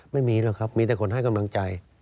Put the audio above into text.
ไม่มีหรอกครับมีแต่คนให้กำลังใจ